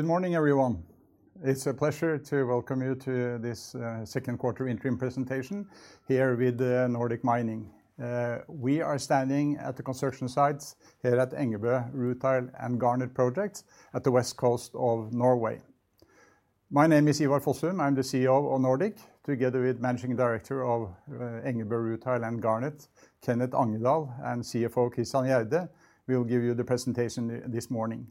Good morning, everyone. It's a pleasure to welcome you to this second quarter interim presentation here with Nordic Mining. We are standing at the construction sites here at Engebø Rutile and Garnet projects at the west coast of Norway. My name is Ivar Fossum. I'm the CEO of Nordic, together with Managing Director of Engebø Rutile and Garnet, Kenneth Angedal, and CFO Christian Gjerde. We'll give you the presentation this morning.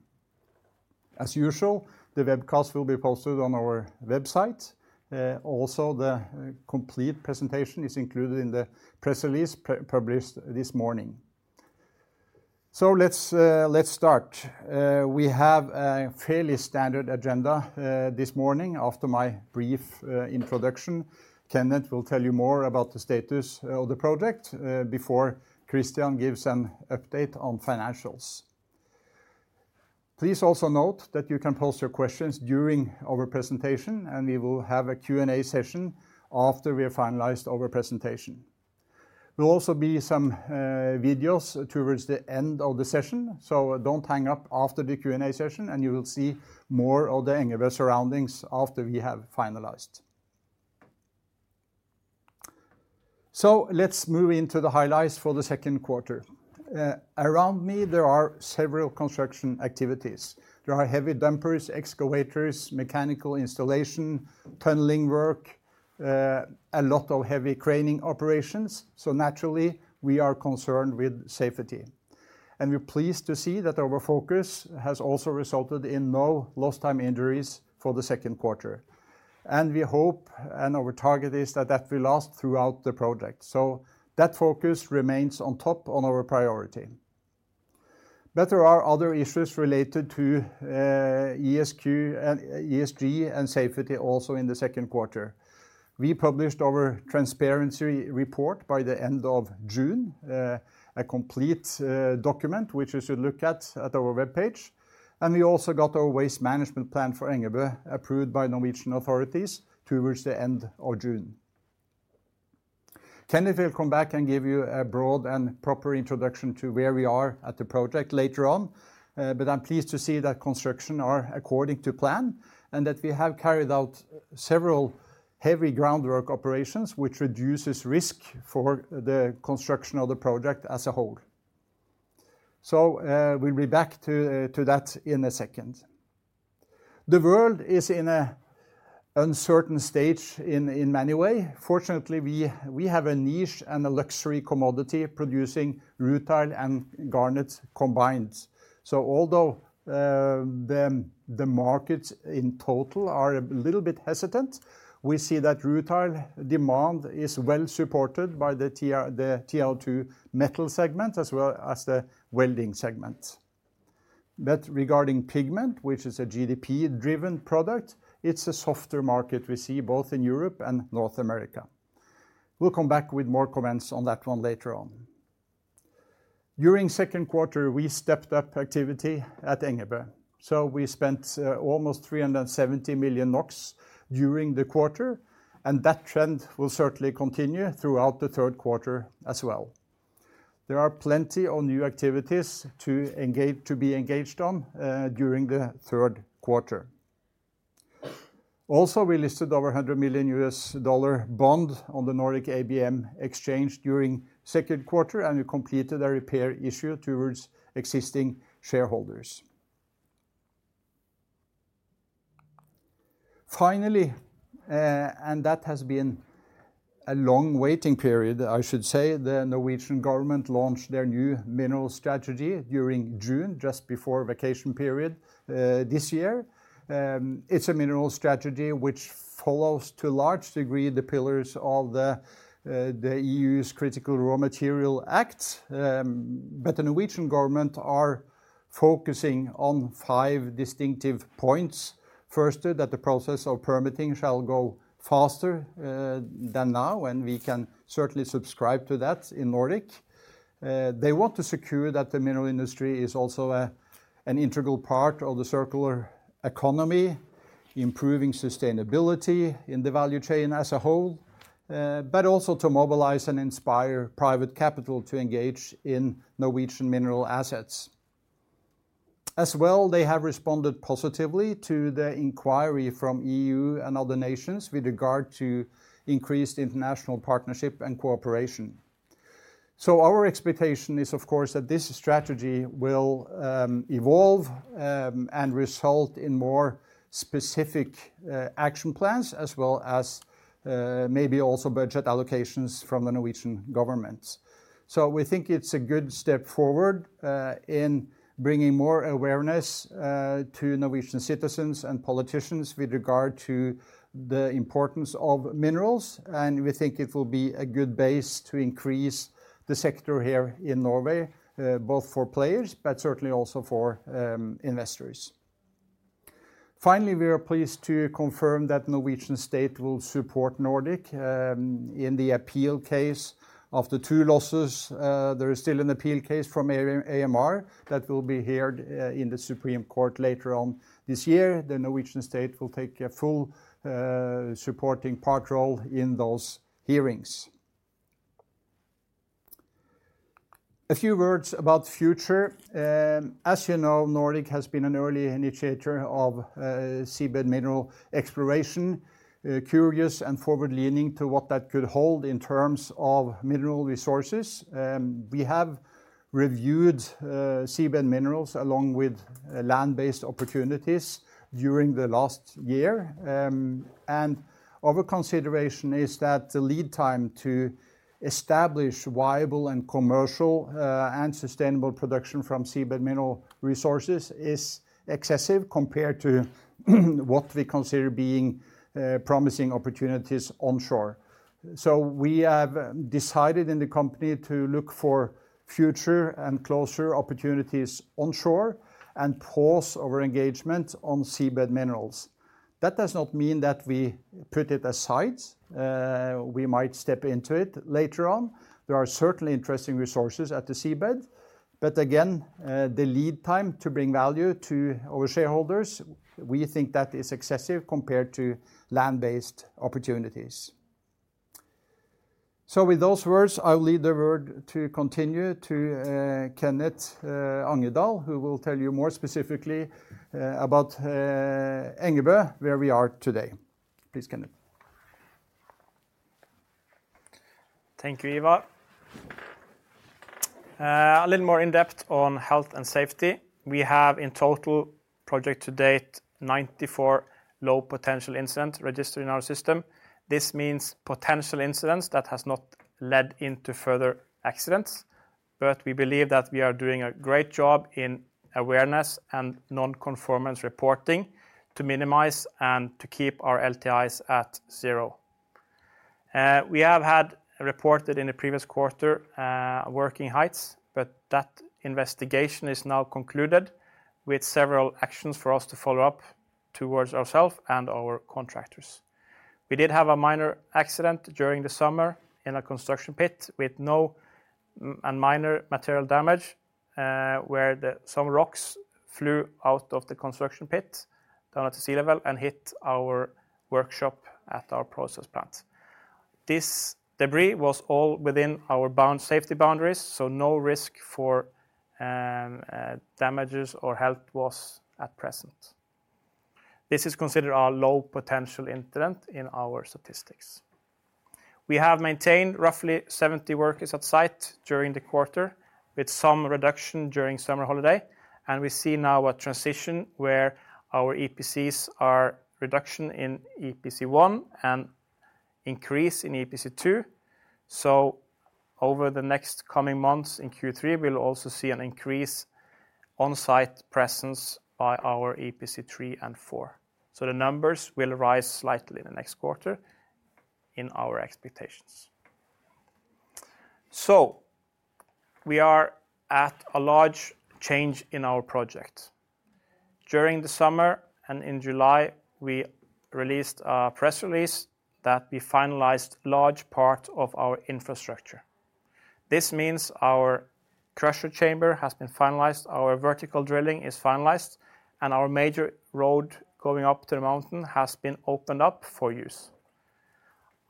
As usual, the webcast will be posted on our website. Also, the complete presentation is included in the press release published this morning. Let's, let's start. We have a fairly standard agenda this morning. After my brief introduction, Kenneth will tell you more about the status of the project before Christian gives an update on financials. Please also note that you can post your questions during our presentation, and we will have a Q&A session after we have finalized our presentation. There will also be some videos towards the end of the session, so don't hang up after the Q&A session, and you will see more of the Engebø surroundings after we have finalized. Let's move into the highlights for the second quarter. Around me, there are several construction activities. There are heavy dumpers, excavators, mechanical installation, tunneling work, a lot of heavy craning operations, so naturally, we are concerned with safety. We're pleased to see that our focus has also resulted in no lost time injuries for the second quarter. We hope, and our target is, that that will last throughout the project. That focus remains on top on our priority. There are other issues related to ESG and ESG and safety also in the second quarter. We published our Transparency Act Report by the end of June, a complete document, which you should look at at our webpage. We also got our waste management plan for Engebø approved by Norwegian authorities towards the end of June. Kenneth will come back and give you a broad and proper introduction to where we are at the project later on, I'm pleased to see that construction are according to plan, and that we have carried out several heavy groundwork operations, which reduces risk for the construction of the project as a whole. We'll be back to, to that in a second. The world is in a uncertain stage in, in many way. Fortunately, we, we have a niche and a luxury commodity, producing Rutile and Garnet combined. Although the markets in total are a little bit hesitant, we see that Rutile demand is well supported by the TR- the TiO2 metal segment, as well as the welding segment. Regarding pigment, which is a GDP-driven product, it's a softer market we see both in Europe and North America. We'll come back with more comments on that one later on. During second quarter, we stepped up activity at Engebø, so we spent almost 370 million NOK during the quarter, and that trend will certainly continue throughout the third quarter as well. There are plenty of new activities to engage, to be engaged on, during the third quarter. Also, we listed our $100 million US dollar bond on the Nordic ABM Exchange during second quarter, and we completed a repair issue towards existing shareholders. Finally, that has been a long waiting period, I should say, the Norwegian government launched their new mineral strategy during June, just before vacation period this year. It's a mineral strategy which follows, to a large degree, the pillars of the EU's Critical Raw Materials Act. The Norwegian government are focusing on five distinctive points. Firstly, that the process of permitting shall go faster than now, and we can certainly subscribe to that in Nordic. They want to secure that the mineral industry is also a, an integral part of the circular economy, improving sustainability in the value chain as a whole, but also to mobilize and inspire private capital to engage in Norwegian mineral assets. As well, they have responded positively to the inquiry from EU and other nations with regard to increased international partnership and cooperation. Our expectation is, of course, that this strategy will evolve and result in more specific action plans, as well as maybe also budget allocations from the Norwegian government. We think it's a good step forward in bringing more awareness to Norwegian citizens and politicians with regard to the importance of minerals, and we think it will be a good base to increase the sector here in Norway, both for players, but certainly also for investors. Finally, we are pleased to confirm that Norwegian State will support Nordic in the appeal case. After two losses, there is still an appeal case from AMR that will be heard in the Supreme Court later on this year. The Norwegian State will take a full supporting part role in those hearings. A few words about future. As you know, Nordic has been an early initiator of seabed mineral exploration, curious and forward-leaning to what that could hold in terms of mineral resources. We have reviewed seabed minerals along with land-based opportunities during the last year. Our consideration is that the lead time to establish viable and commercial and sustainable production from seabed mineral resources is excessive compared to what we consider being promising opportunities onshore. We have decided in the company to look for future and closer opportunities onshore and pause our engagement on seabed minerals. That does not mean that we put it aside. We might step into it later on. There are certainly interesting resources at the seabed, but again, the lead time to bring value to our shareholders, we think that is excessive compared to land-based opportunities. With those words, I will leave the word to continue to Kenneth Angedal, who will tell you more specifically about Engebø, where we are today. Please, Kenneth. Thank you, Ivar. A little more in-depth on health and safety. We have in total project to date, 94 low potential incident registered in our system. This means potential incidents that has not led into further accidents, but we believe that we are doing a great job in awareness and non-conformance reporting to minimize and to keep our LTIs at zero. We have had reported in the previous quarter, working heights, but that investigation is now concluded with several actions for us to follow up towards ourself and our contractors. We did have a minor accident during the summer in a construction pit with no and minor material damage, where the some rocks flew out of the construction pit down at the sea level and hit our workshop at our process plant. This debris was all within our bound safety boundaries, no risk for damages or health was at present. This is considered our low potential incident in our statistics. We have maintained roughly 70 workers at site during the quarter, with some reduction during summer holiday, we see now a transition where our EPCs are reduction in EPC1 and increase in EPC2. Over the next coming months in Q3, we'll also see an increase on-site presence by our EPC3 and EPC4. The numbers will rise slightly in the next quarter in our expectations. We are at a large change in our project. During the summer and in July, we released a press release that we finalized large part of our infrastructure. This means our crusher chamber has been finalized, our vertical drilling is finalized, and our major road going up to the mountain has been opened up for use.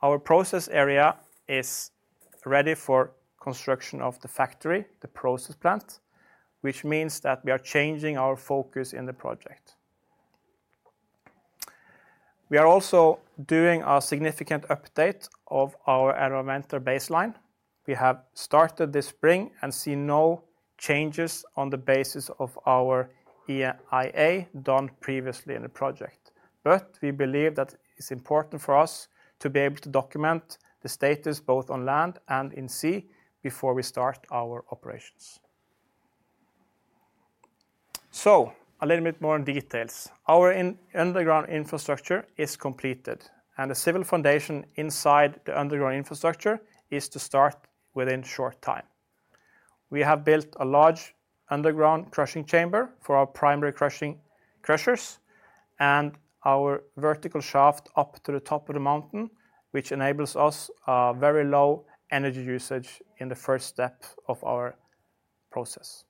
Our process area is ready for construction of the factory, the process plant, which means that we are changing our focus in the project. We are also doing a significant update of our environmental baseline. We have started this spring and see no changes on the basis of our EIA done previously in the project. We believe that it's important for us to be able to document the status, both on land and in sea, before we start our operations. A little bit more in details. Our in- underground infrastructure is completed, and the civil foundation inside the underground infrastructure is to start within short time. We have built a large underground crushing chamber for our primary crushing, crushers, and our vertical shaft up to the top of the mountain, which enables us very low energy usage in the first step of our process.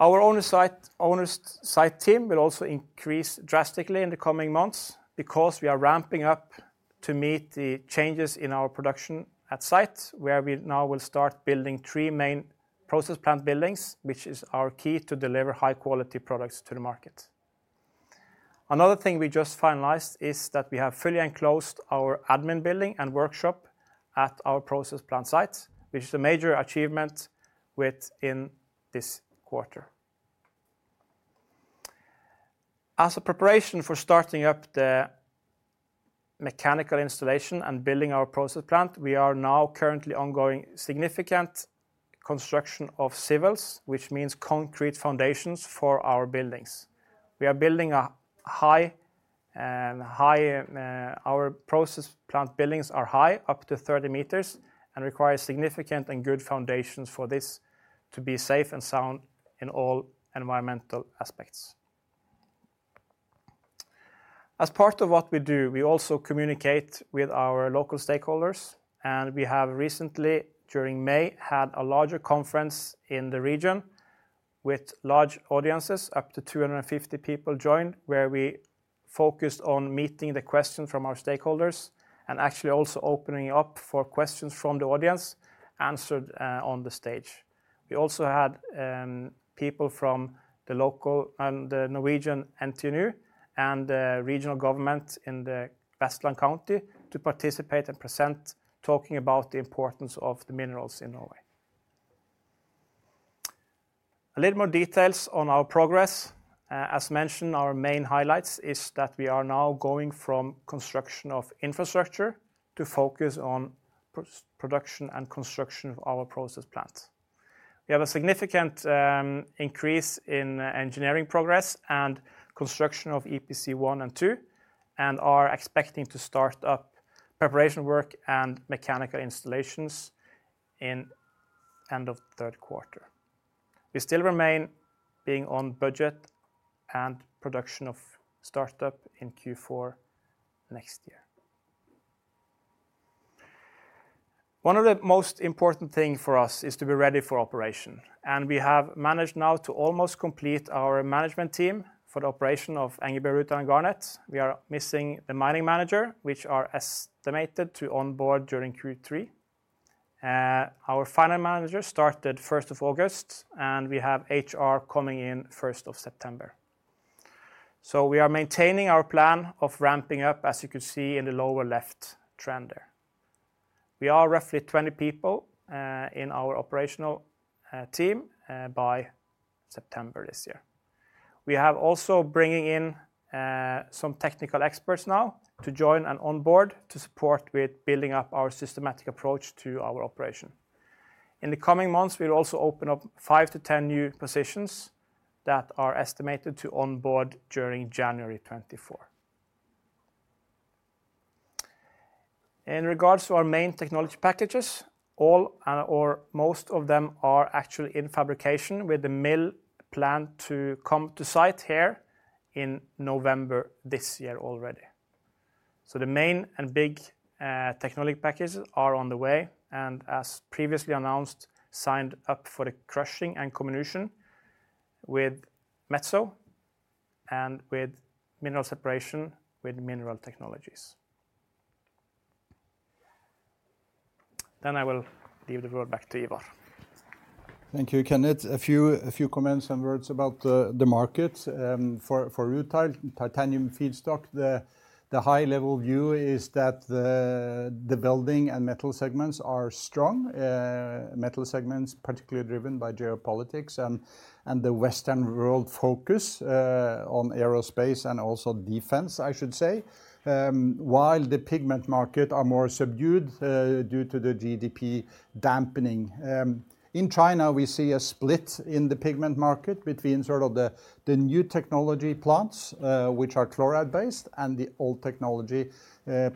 Our owner site, owner site team will also increase drastically in the coming months because we are ramping up to meet the changes in our production at site, where we now will start building three main process plant buildings, which is our key to deliver high-quality products to the market. Another thing we just finalized is that we have fully enclosed our admin building and workshop at our process plant site, which is a major achievement within this quarter. As a preparation for starting up the mechanical installation and building our process plant, we are now currently ongoing significant construction of civils, which means concrete foundations for our buildings. We are building a high and high. Our process plant buildings are high, up to 30 meters, and require significant and good foundations for this to be safe and sound in all environmental aspects. As part of what we do, we also communicate with our local stakeholders, and we have recently, during May, had a larger conference in the region. with large audiences, up to 250 people join, where we focused on meeting the questions from our stakeholders, and actually also opening up for questions from the audience, answered on the stage. We also had people from the local and the Norwegian NTNU and regional government in the Vestland County to participate and present, talking about the importance of the minerals in Norway. A little more details on our progress. As mentioned, our main highlights is that we are now going from construction of infrastructure to focus on production and construction of our process plant. We have a significant increase in engineering progress and construction of EPC1 and 2, and are expecting to start up preparation work and mechanical installations in end of the third quarter. We still remain being on budget and production of startup in Q4 next year. One of the most important thing for us is to be ready for operation, and we have managed now to almost complete our management team for the operation of Engebø Rutile and Garnet. We are missing the mining manager, which are estimated to onboard during Q3. Our final manager started 1st of August, and we have HR coming in 1st of September. We are maintaining our plan of ramping up, as you can see in the lower left trend there. We are roughly 20 people in our operational team by September this year. We have also bringing in some technical experts now to join and onboard to support with building up our systematic approach to our operation. In the coming months, we'll also open up 5-10 new positions that are estimated to onboard during January 2024. In regards to our main technology packages, all and or most of them are actually in fabrication with the mill planned to come to site here in November this year already. The main and big technology packages are on the way, and as previously announced, signed up for the crushing and comminution with Metso and with mineral separation with Mineral Technologies.I will leave the word back to Ivar. Thank you, Kenneth. A few, a few comments and words about the, the market for Rutile titanium feedstock. The, the high level view is that the, the building and metal segments are strong. Metal segments, particularly driven by geopolitics and, and the Western world focus on aerospace and also defense, I should say. While the pigment market are more subdued due to the GDP dampening. In China, we see a split in the pigment market between sort of the, the new technology plants, which are chloride-based, and the old technology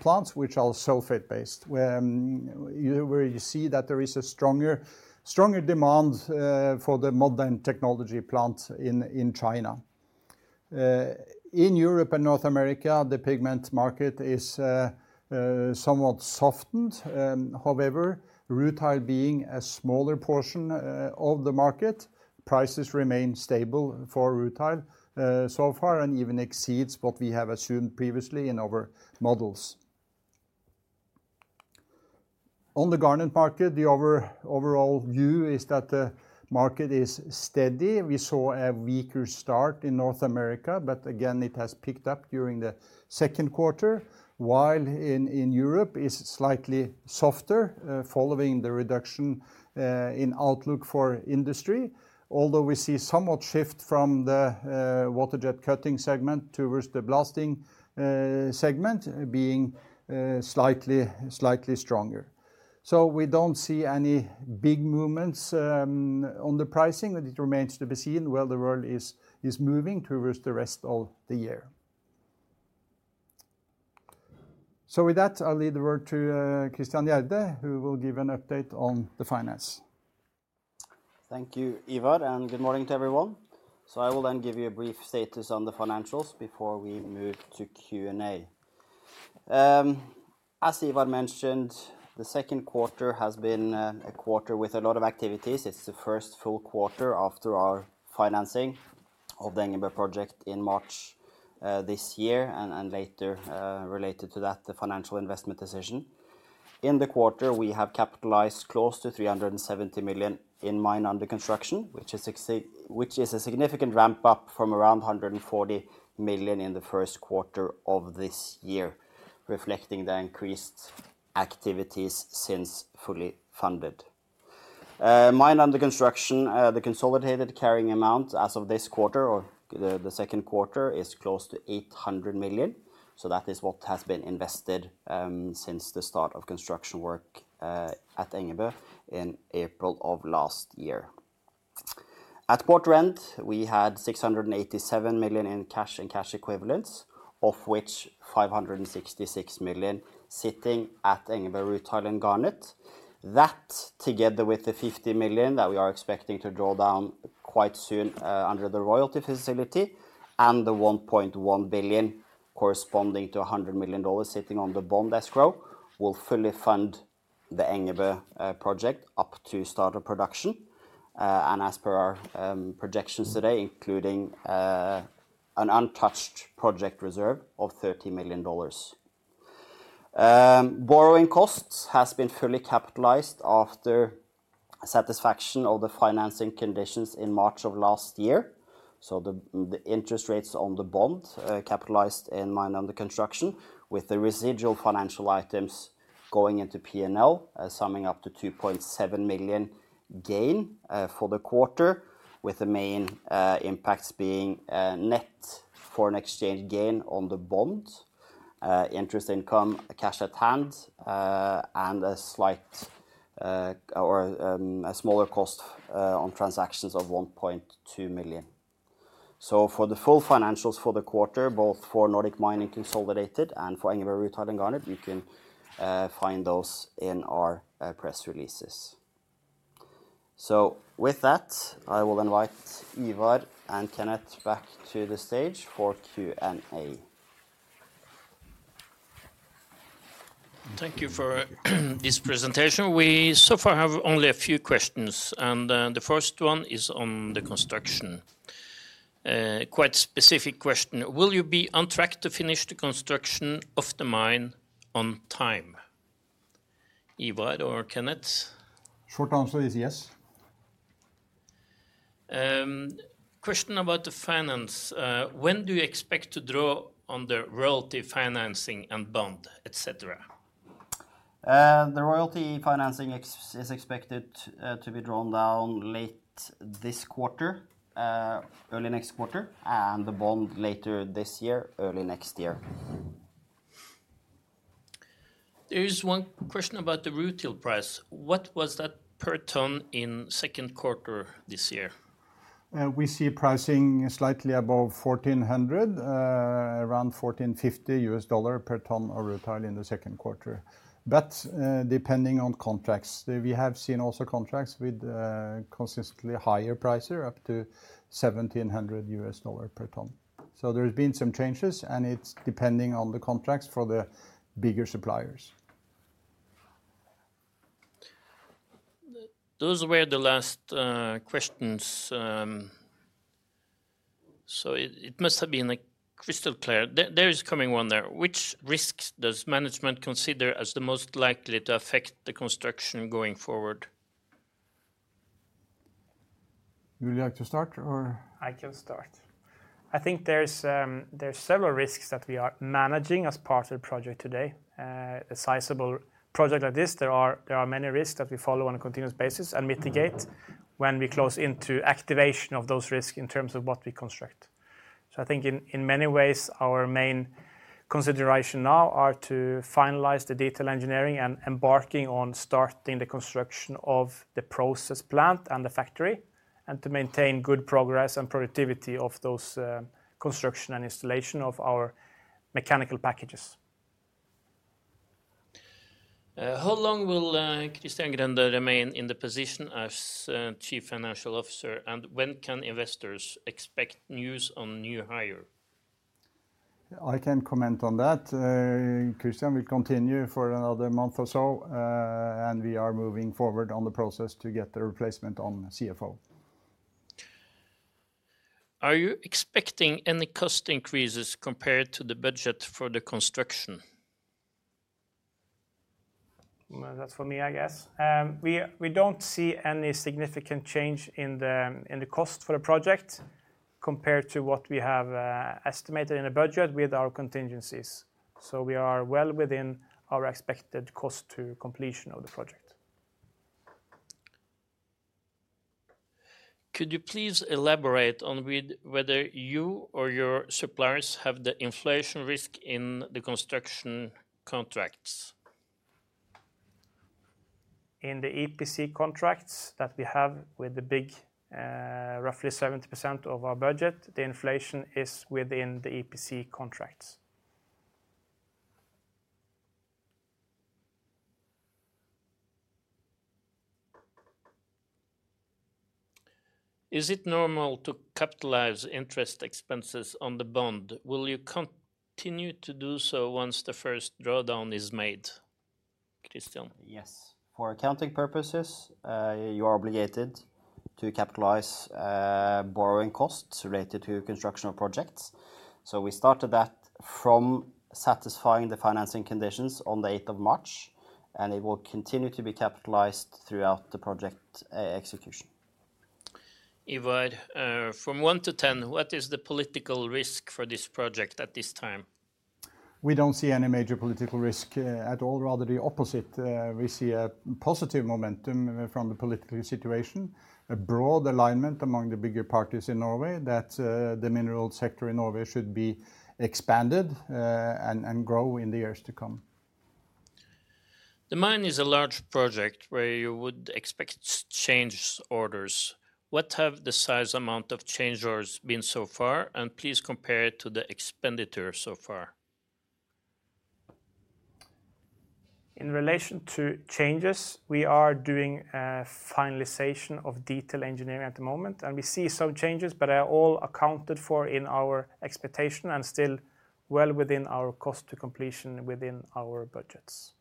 plants, which are sulfate-based. Where you see that there is a stronger, stronger demand for the modern technology plants in, in China. In Europe and North America, the pigment market is somewhat softened. However, Rutile being a smaller portion of the market, prices remain stable for Rutile so far, and even exceeds what we have assumed previously in our models. On the Garnet market, the overall view is that the market is steady. We saw a weaker start in North America, but again, it has picked up during the second quarter, while in Europe is slightly softer, following the reduction in outlook for industry. Although we see somewhat shift from the water jet cutting segment towards the blasting segment being slightly stronger. We don't see any big movements on the pricing, but it remains to be seen where the world is moving towards the rest of the year. With that, I'll leave the word to Christian Gjerde, who will give an update on the finance. Thank you, Ivar, and good morning to everyone. I will then give you a brief status on the financials before we move to Q&A. As Ivar mentioned, the second quarter has been a quarter with a lot of activities. It's the first full quarter after our financing of the Engebø project in March this year, and, and later related to that, the financial investment decision. In the quarter, we have capitalized close to 370 million in mine under construction, which is a significant ramp up from around 140 million in the first quarter of this year, reflecting the increased activities since fully funded. Mine under construction, the consolidated carrying amount as of this quarter or the second quarter, is close to 800 million. That is what has been invested since the start of construction work at Engebø in April of last year. At Port Rent, we had 687 million in cash and cash equivalents, of which 566 million sitting at Engebø Rutile and Garnet. That, together with the 50 million that we are expecting to draw down quite soon under the royalty facility, and the 1.1 billion corresponding to $100 million sitting on the bond escrow, will fully fund the Engebø project up to start of production. And as per our projections today, including an untouched project reserve of $30 million. Borrowing costs has been fully capitalized after satisfaction of the financing conditions in March of last year. The, the interest rates on the bond, capitalized in mine under construction, with the residual financial items going into PNL, summing up to 2.7 million gain for the quarter, with the main impacts being net foreign exchange gain on the bond, interest income cash at hand, and a slight, or a smaller cost on transactions of 1.2 million. For the full financials for the quarter, both for Nordic Mining Consolidated and for Engebø Rutile and Garnet, you can find those in our press releases. With that, I will invite Ivar and Kenneth back to the stage for Q&A. Thank you for this presentation. We so far have only a few questions, and, the first one is on the construction. Quite specific question: Will you be on track to finish the construction of the mine on time? Ivar or Kenneth? Short answer is yes. Question about the finance. When do you expect to draw on the royalty financing and bond, et cetera? The royalty financing is expected to be drawn down late this quarter, early next quarter, and the bond later this year, early next year. There is one question about the Rutile price. What was that per ton in second quarter this year? We see pricing slightly above $1,400, around $1,450 per ton of Rutile in the second quarter. Depending on contracts, we have seen also contracts with, consistently higher prices, up to $1,700 per ton. There has been some changes, and it's depending on the contracts for the bigger suppliers. Those were the last questions. It, it must have been a crystal clear. There, there is coming one there: Which risks does management consider as the most likely to affect the construction going forward? Would you like to start, or? I can start. I think there's, there are several risks that we are managing as part of the project today. A sizable project like this, there are, there are many risks that we follow on a continuous basis and mitigate when we close into activation of those risks in terms of what we construct. I think in, in many ways, our main consideration now are to finalize the detail engineering and embarking on starting the construction of the process plant and the factory, and to maintain good progress and productivity of those, construction and installation of our mechanical packages. How long will Christian Gjerde remain in the position as Chief Financial Officer, and when can investors expect news on new hire? I can comment on that. Christian will continue for another month or so, and we are moving forward on the process to get the replacement on CFO. Are you expecting any cost increases compared to the budget for the construction? Well, that's for me, I guess. We, we don't see any significant change in the, in the cost for the project compared to what we have estimated in the budget with our contingencies. We are well within our expected cost to completion of the project. Could you please elaborate on whether you or your suppliers have the inflation risk in the construction contracts? In the EPC contracts that we have with the big, roughly 70% of our budget, the inflation is within the EPC contracts. Is it normal to capitalize interest expenses on the bond? Will you continue to do so once the first drawdown is made? Christian. Yes. For accounting purposes, you are obligated to capitalize, borrowing costs related to construction projects. We started that from satisfying the financing conditions on the 8th of March, and it will continue to be capitalized throughout the project execution. Ivar, from 1 to 10, what is the political risk for this project at this time? We don't see any major political risk, at all, rather the opposite. We see a positive momentum from the political situation, a broad alignment among the bigger parties in Norway that, the mineral sector in Norway should be expanded, and, and grow in the years to come. The mine is a large project where you would expect change orders. What have the size amount of change orders been so far? Please compare it to the expenditure so far. In relation to changes, we are doing a finalization of detail engineering at the moment, and we see some changes, but are all accounted for in our expectation and still well within our cost to completion within our budgets....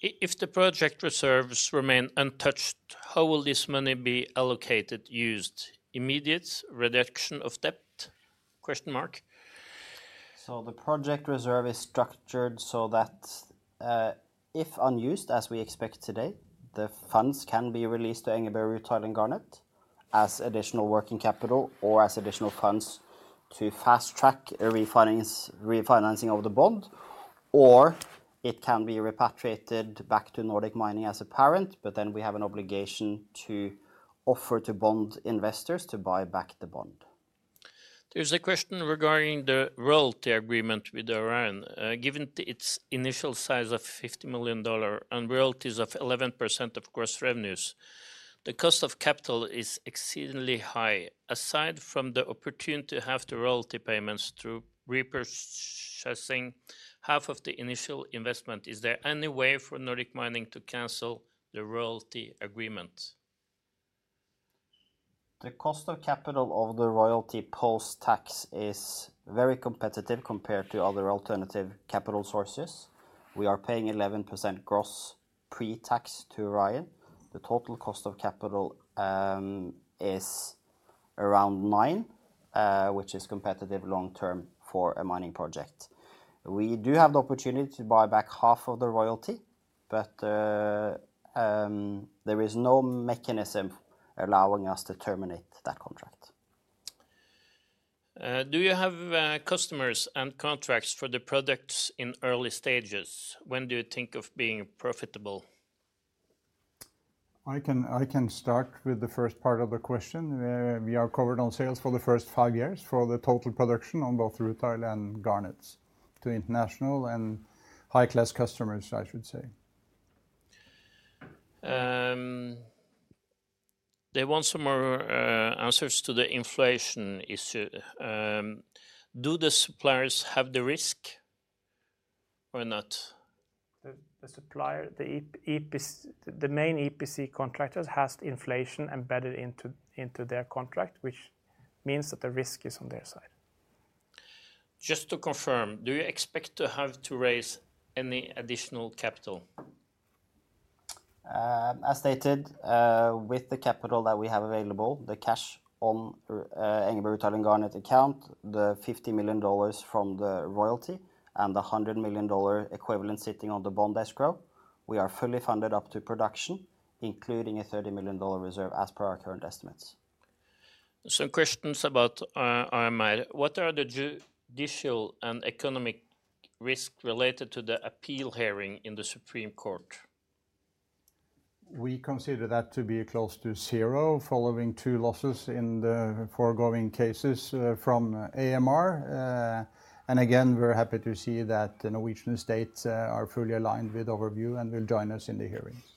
if the project reserves remain untouched, how will this money be allocated, used? Immediate reduction of debt? Question mark. The project reserve is structured so that if unused, as we expect today, the funds can be released to Engebø Rutile and Garnet as additional working capital or as additional funds to fast track a refinancing of the bond, or it can be repatriated back to Nordic Mining as a parent, but then we have an obligation to offer to bond investors to buy back the bond. There's a question regarding the royalty agreement with Orion. Given its initial size of $50 million and royalties of 11% of gross revenues, the cost of capital is exceedingly high. Aside from the opportunity to have the royalty payments through repurchasing half of the initial investment, is there any way for Nordic Mining to cancel the royalty agreement? The cost of capital of the royalty post-tax is very competitive compared to other alternative capital sources. We are paying 11% gross pre-tax to Orion. The total cost of capital is around 9%, which is competitive long term for a mining project. We do have the opportunity to buy back half of the royalty, but there is no mechanism allowing us to terminate that contract. Do you have customers and contracts for the products in early stages? When do you think of being profitable? I can, I can start with the first part of the question. We are covered on sales for the first five years for the total production on both Rutile and Garnets, to international and high-class customers, I should say. They want some more answers to the inflation issue. Do the suppliers have the risk or not? The main EPC contractors has inflation embedded into their contract, which means that the risk is on their side. Just to confirm, do you expect to have to raise any additional capital? As stated, with the capital that we have available, the cash on Engebø Rutile and Garnet account, the $50 million from the royalty and the $100 million equivalent sitting on the bond escrow, we are fully funded up to production, including a $30 million reserve as per our current estimates. Some questions about AMR. What are the judicial and economic risk related to the appeal hearing in the Supreme Court? We consider that to be close to zero, following two losses in the foregoing cases from AMR. Again, we're happy to see that the Norwegian state are fully aligned with our view and will join us in the hearings.